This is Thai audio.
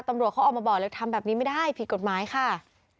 ตำรวจเขาออกมาบอกเลยทำแบบนี้ไม่ได้ผิดกฎหมายค่ะ